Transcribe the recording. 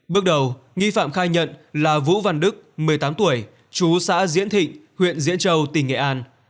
bước đầu nghi phạm khai nhận là vũ văn đức một mươi tám tuổi chú xã diễn thịnh huyện diễn châu tỉnh nghệ an